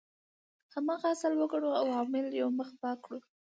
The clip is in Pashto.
هماغه اصل وګڼو او اعمال یو مخ پاک کړو.